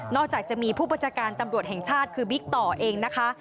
จากจะมีผู้บัญชาการตำรวจแห่งชาติคือบิ๊กต่อเองนะคะ